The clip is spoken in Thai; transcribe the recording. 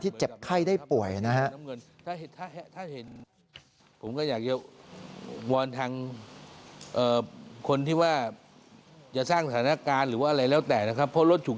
ที่เจ็บไข้ได้ป่วยนะครับ